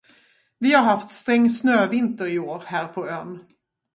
Vi har haft sträng snövinter i år här på ön.